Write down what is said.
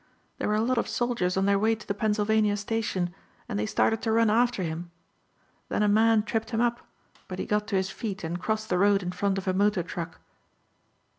There were a lot of soldiers on their way to the Pennsylvania station and they started to run after him. Then a man tripped him up but he got to his feet and crossed the road in front of a motor truck."